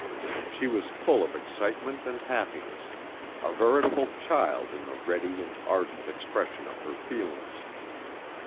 She was full of excitement and happiness, a veritable child in the ready and ardent expression of her feelings.